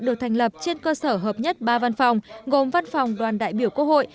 được thành lập trên cơ sở hợp nhất ba văn phòng gồm văn phòng đoàn đại biểu quốc hội